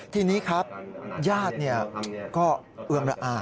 ทีนี้ครับญาติก็เอือมระอา